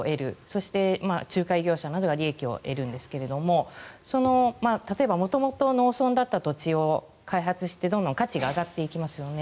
そして、仲介業者などが利益を得るんですが例えば元々、農村だった土地を開発してどんどん価値が上がっていきますよね。